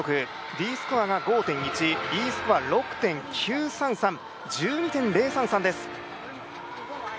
Ｄスコアが５．１、Ｅスコア６．９３３。１２．０３３です。